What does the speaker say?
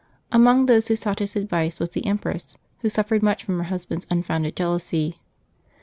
Amongst those who sought his advice was the empress, who suffered much from her husband's unfounded jealousy.